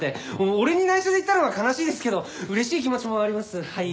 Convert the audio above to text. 俺に内緒で行ったのは悲しいですけど嬉しい気持ちもありますはい。